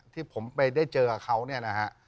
ที่ผมไปได้เจอกับเขาเนี่ยนะฮะ